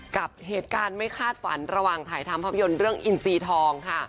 กับเหตุการณ์ไม่คาดฝันระหว่างถ่ายทำภาพยนตร์เรื่องอินซีทองค่ะ